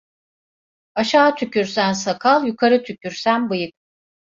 Aşağı tükürsen sakal, yukarı tükürsen bıyık.